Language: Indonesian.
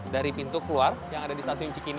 dari pintu keluar yang ada di stasiun cikini